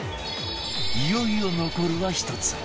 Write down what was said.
いよいよ残るは１つ